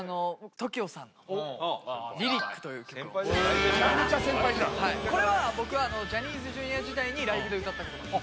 ＴＯＫＩＯさんの「リリック」という曲を先輩だよ大先輩めちゃめちゃ先輩じゃんはいこれは僕はジャニーズＪｒ．時代にライブで歌ったこともあります